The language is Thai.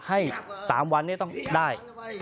ให้๓วันนี้ต้องได้